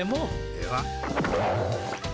では！